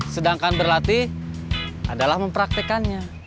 sedangkan berlatih adalah mempraktikannya